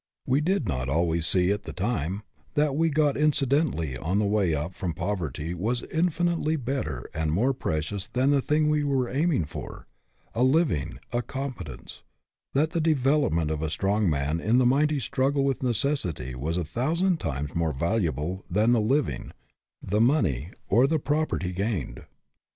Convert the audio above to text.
We did not always see, at the time, that what we got incidentally on the way up from poverty was infinitely better and more pre GETTING AWAY FROM POVERTY 243 cious than the thing we were aiming for a living, a competence; that the development of a strong man in the mighty struggle with necessity was a thousand times more valuable than the living, the money, or the property gained.